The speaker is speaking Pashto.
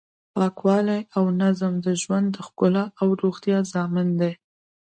پاکوالی او نظم د ژوند د ښکلا او روغتیا ضامن دی.